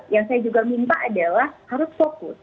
yang saya juga minta adalah harus fokus